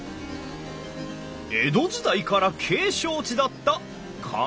江戸時代から景勝地だった金沢八景！